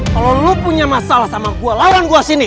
kalau lu punya masalah sama gua lawan gua sini